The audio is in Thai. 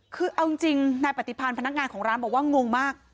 คือเอาจริงนายปฏิพันธ์พนักงานของร้านบอกว่างงมาก